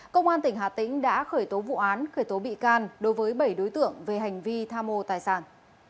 công an tỉnh hà tĩnh đã khởi tố vụ án khởi tố bị can đối với bảy đối tượng về hành vi tham mô tài sản